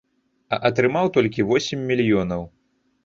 А атрымаў толькі восем мільёнаў.